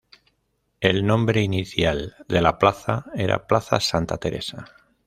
El nombre inicial de la plaza era Plaza Santa Teresa.